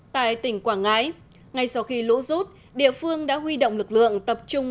tại tỉnh quảng ngãi ngay sau khi lũ rút địa phương đã huy động lực lượng tập trung